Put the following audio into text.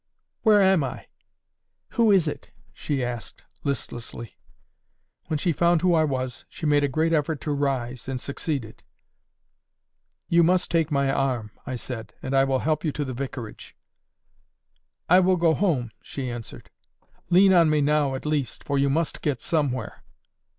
"Where am I? Who is it?" she asked, listlessly. When she found who I was, she made a great effort to rise, and succeeded. "You must take my arm," I said, "and I will help you to the vicarage." "I will go home," she answered. "Lean on me now, at least; for you must get somewhere."